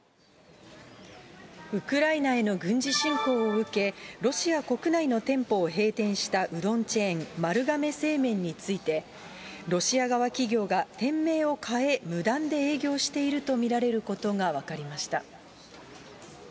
ウクライナへの軍事侵攻を受け、ロシア国内の店舗を閉店したうどんチェーン、丸亀製麺について、ロシア側企業が店名を変え、無断で営業していると見られることが分かりました。